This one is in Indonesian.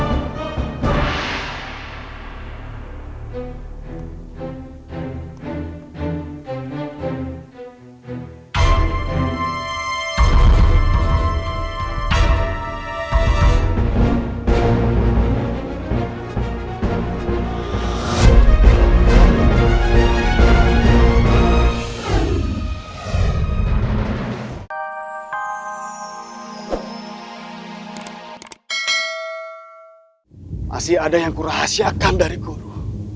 masih ada yang kurahasyakan dari guru